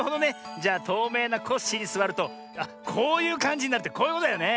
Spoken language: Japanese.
じゃとうめいなコッシーにすわるとあっこういうかんじになるってこういうことだよね。